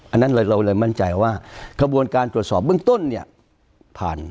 อันนั้นเราเลยมั่นใจว่าขบวนการตรวจสอบเบื้องต้น